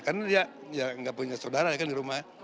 karena dia enggak punya saudara kan di rumah